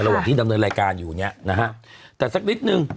ที่ดำเนินรายการอยู่เนี่ยนะฮะแต่สักนิดนึง